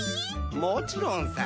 もちろんさ。